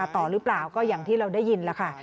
ต่อหรือเปล่าก็อย่างที่เราได้ยินแล้วค่ะ